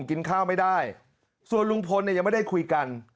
กินข้าวไม่ได้ส่วนลุงพลเนี่ยยังไม่ได้คุยกัน